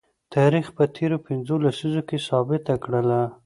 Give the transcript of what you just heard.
تاریخ په تیرو پنځو لسیزو کې ثابته کړله